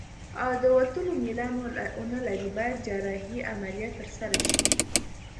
او د وتلو میلان ونلري باید جراحي عملیه ترسره شي.